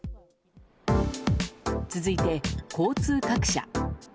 続いて、交通各社。